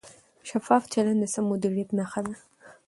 شفاف چلند د سم مدیریت نښه ده.